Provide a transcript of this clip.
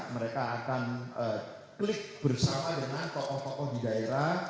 mereka akan klik bersama dengan tokoh tokoh di daerah